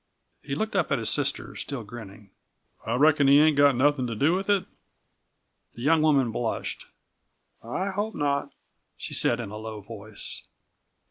He looked up at his sister, still grinning. "I reckon he ain't got nothing to do with it?" The young woman blushed. "I hope not," she said in a low voice.